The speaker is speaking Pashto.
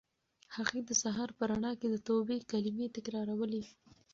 هغې د سهار په رڼا کې د توبې کلمې تکرارولې.